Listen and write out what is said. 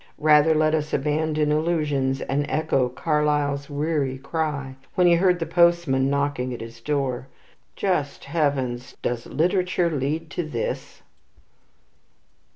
Rather let us abandon illusions, and echo Carlyle's weary cry, when he heard the postman knocking at his door: "Just Heavens! Does literature lead to this!"